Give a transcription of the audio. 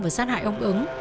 và sát hại ông ứng